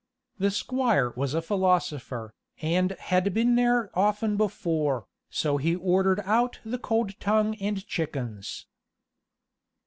The squire was a philosopher, and had been there often before, so he ordered out the cold tongue and chickens.